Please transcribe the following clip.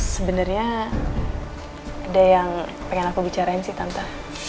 sebenarnya ada yang pengen aku bicarain sih tante